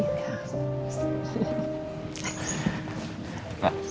terima kasih ibu panti